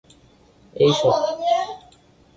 এই সংস্থার সদর দপ্তর স্পেনের মেলিয়ায় অবস্থিত।